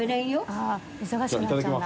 あっ忙しくなっちゃうんだ。